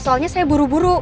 soalnya saya buru buru